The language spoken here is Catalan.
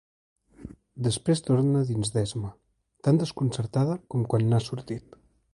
Després torna a dins d'esma, tan desconcertada com quan n'ha sortit.